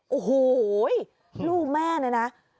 โอ้โหลูกแม่เนี่ยนะ